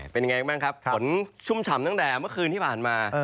เป็นยังไงบ้างครับฝนชุ่มฉ่ำตั้งแต่เมื่อคืนที่ผ่านมา